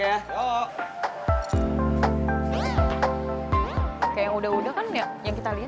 kayak yang udah udah kan ya yang kita liat